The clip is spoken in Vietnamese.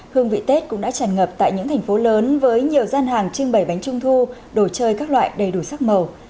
hương vị tết cũng đã tràn ngập tại những thành phố lớn với nhiều gian hàng trưng bày bánh trung thu đồ chơi các loại đầy đủ sắc màu